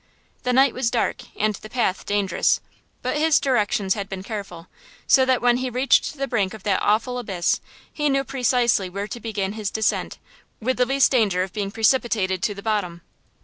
The night was dark and the path dangerous; but his directions had been careful, so that when he reached the brink of that awful abyss he knew precisely where to begin his descent with the least danger of being precipitated to the bottom.